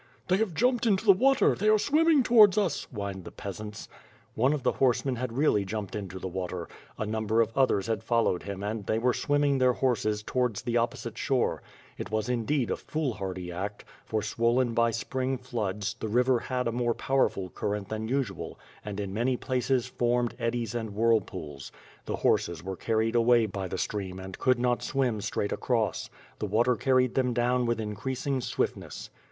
"They have jumped into the water, they are swimming towards us," whined the peasants. One of the horsemen had really jumped into the water; a number of others had followed him and they were swimming their horses towards the opposite shore. It was indeed a foolhardy act, for swollen by spring floods, the river had a more powerful current than usual, and in many places forme<i 282 WITH FIRE AND 8W0RD. eddies and whilrpools. The horses were carried away by the stream and could not swim straight across. The water car ried them down with increasing swiftness.